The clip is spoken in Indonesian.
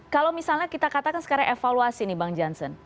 kalau misalnya kita katakan secara evaluasi nih bang johnson